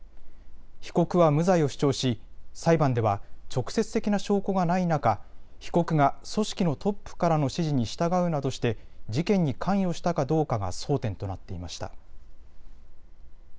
被告は無罪を主張し裁判では直接的な証拠がない中、被告が組織のトップからの指示に従うなどして事件に関与したかどうかが争点となっていました。